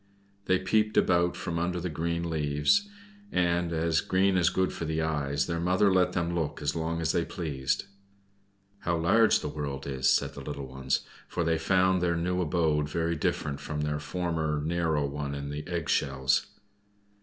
They peeped about from under the green leaves; and as green is good for the eyes, their mother let them look as long as they pleased. "How large the world is!" said the little ones, for they found their new abode very different from their former narrow one in the egg shells.